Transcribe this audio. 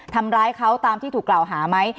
ทำร้ายเขาตามที่ถูกกล่าวหาไหม